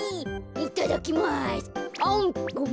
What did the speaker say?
いただきます。